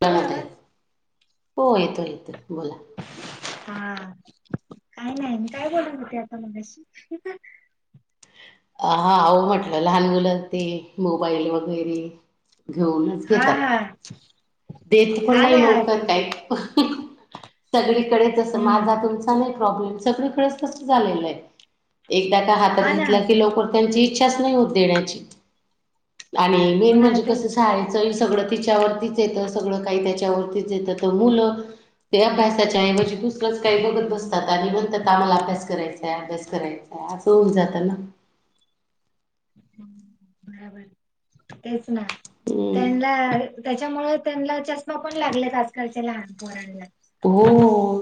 येतोय येत आवाज हो येतो येतो बोला. हा काय नाही म काय बोलत होते आता मलाशी. हाह म्हटलं लहान मुलंं ते मोबाईल वगैरे घेऊनच हा घेतात. हा देत पण हा ना नाही लवकर काय. सगळीकडे जसं माझा हम्म तुमचा नाही प्रॉब्लेम सगळीकडेच तसं झालेलं आहे. एकदा का हातात हा ना घेतला की लवकर त्यांची इच्छाच नाही होत देण्याची आणि हो मेन ना म्हणजे ते कस साडीच सगळं तिच्यावरतीच येतं सगळं काही त्याच्या त्याच्यावरतीच येत तर मुलं ते अभ्यासाच्याऐवजी दुसरंच काही बघत बसतात आणि म्हणतात आम्हाला अभ्यास करायचांय अभ्यास करायचाय असं होऊन जातं ना. र तेच ना हम्म त्यांना त्याच्यामुळे त्यांना चष्मा पण लागलेत आजकालच्या लहान पोरांना. हो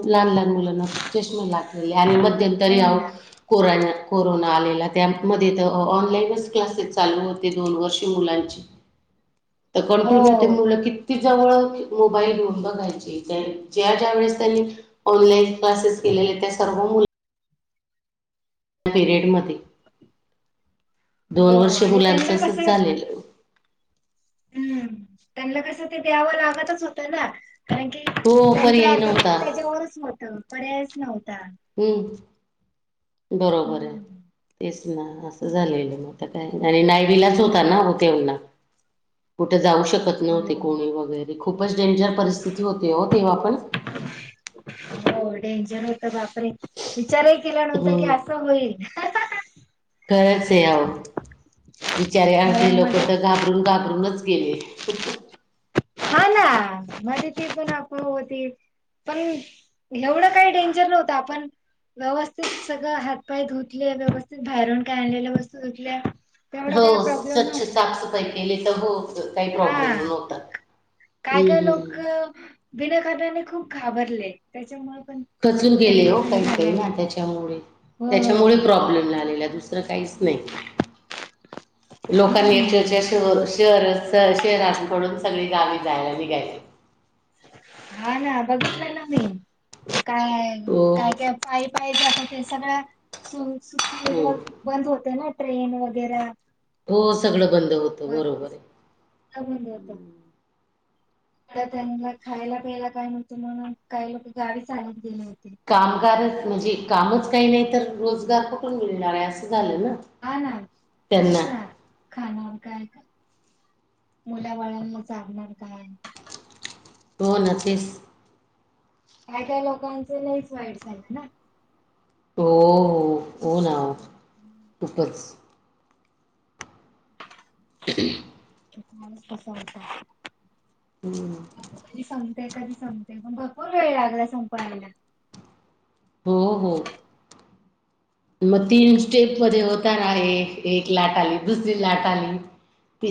लहान लहान मुलांना खूप चष्मे लागलेले आणि मध्यंतरी हो आहो ना कोराना कोरोना आलेला त्यामध्ये तर ऑनलाईनच क्लासेस चालू होते दोन वर्षे मुलांची [unintelligible] तर हो कंट्रोल्यू ते मुलं किती जवळ मोबाईल घेऊन बघायचे त्या ज्या ज्या वेळेस त्यांनी ऑनलाईन क्लासेस केलेल्या त्या सर्व मुल त्या पिरेडमध्ये दोन हो वर्ष आणि मुलांचं त्यांना असंच कसं झालेलं. हम्म त्यांना कसं ते द्यावं लागतच होतं ना. कारण की हो त्यांचा पर्याय हता नव्हता त्याच्यावरच होत पर्यायच नव्हता. हम्म बरोबर आहे हम्म तेच. ना असं झालेल मग आता काय आणि नायविलाच होता ना हो तेवना कुठे जाऊ शकत नव्हते हो कोणी वगैरे खूपच डेंजर परिस्थिती होते हो तेव्हा पण हो डेंजर हो तर बापरे बिचारे केल्यानंतर की असं होईल खरच आहे बिचारे अर्धे कारण लोक मध्ये तर घाबरून घाबर रूनच गेले. हा ना मध्ये ती पण आप होती पण एवढं काही डेंजर नव्हतं आपण व्यवस्थित सगळं हातपाय धुतले व्यवस्थित बाहेरून काय आणलेल्या वस्तू धुतल्या तेवढा हो काही प्रॉब्लेम स्वच्छ नव्हता साफसफाई केली तर हो काही प्रॉब्लेम हा नो होता. काय काय लोक विना कारणाने खूप घाबरले त्याच्यामुळे पण खचलू गेले त्यांच हो काही काही झालेलं ना आहे त्याच्यामुळे हो त्याच्यामुळे प्रॉब्लेम झालेला दुसऱ्या दुसरं काहीच नाही लोकांनी [unintelligible] हम्म शर शहर शहर सोडून सगळी गावी जायला निघायचे. हा ना बघितल ना मी काय हो. पाय पाय जात ते सगळ्या सु सुख हो सुुविधा बंद होते ना ट्रेन वगैरा हो सगळं बंद होतं बरोबर आहे. [unintelligible] त्यांना खायला प्यायला काय नव्हत म्हणून काही लोक गावी चालत गेले होते. कामगार म्हणजे कामच काही नाही तर रोजगार पकण मिळणार आहे असं झालं ना. हा ना त्यांना तेच ना. खाणार काय करणार मुला बाळांना चालणार काय. हो ना तेच. काय काय लोकांच लईच वाईट झालं ना. हो होना खूपच. ह. कस होता. हम्. कधी संपते कधी संपते पण भरपर वेळ लागला संपवायला हो हो. मग तीन स्टेप मध्ये होत आहे एक लाट आली दुसरी लाट आली.